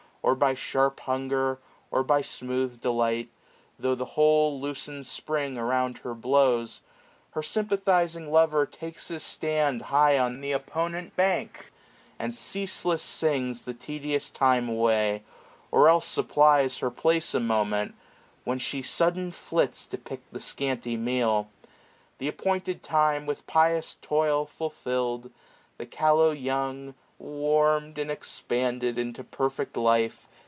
Or by sharp hunger, or by smooth delight, 660 Tho' the whole loosened Spring around her Wows; Her sympathizing lover takes his stand High on th' opponent bank, and ceaseless sings The tedious time away ; or else supplies Her place a moment, while she sudden flits 66^ To pick the scanty meal. Th* appointed time With pious toil fulfilled, the callow young, Warm*d and expanded into perfect life.